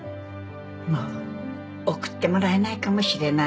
もう贈ってもらえないかもしれないものね。